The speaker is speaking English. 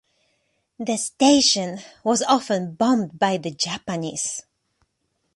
The station was often bombed by the Japanese.